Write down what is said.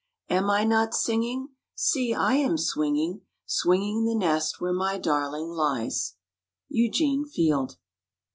Am I not singing? See I am swinging, Swinging the nest where my darling lies. Eugene Field.